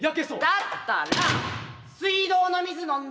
だったら水道の水飲んだらいいやん。